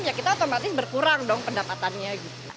maksudnya berkurang dong pendapatannya